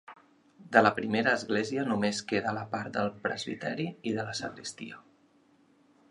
De la primera església només queda la part del presbiteri i de la sagristia.